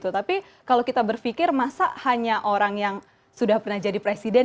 tapi kalau kita berpikir masa hanya orang yang sudah pernah jadi presiden